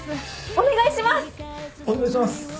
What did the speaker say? お願いします。